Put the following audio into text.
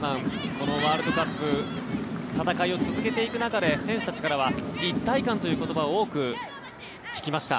このワールドカップ戦いを続けていく中で選手たちからは一体感という言葉を多く聞きました。